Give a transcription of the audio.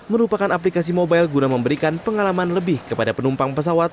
merupakan aplikasi mobile guna memberikan pengalaman lebih kepada penumpang pesawat